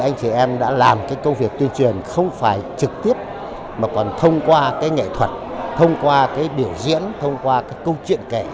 anh chị em đã làm cái công việc tuyên truyền không phải trực tiếp mà còn thông qua cái nghệ thuật thông qua cái biểu diễn thông qua cái câu chuyện kể